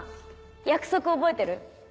約束覚えてる？